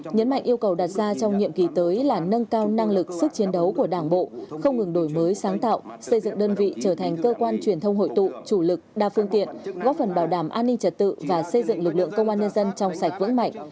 nhấn mạnh yêu cầu đặt ra trong nhiệm kỳ tới là nâng cao năng lực sức chiến đấu của đảng bộ không ngừng đổi mới sáng tạo xây dựng đơn vị trở thành cơ quan truyền thông hội tụ chủ lực đa phương tiện góp phần bảo đảm an ninh trật tự và xây dựng lực lượng công an nhân dân trong sạch vững mạnh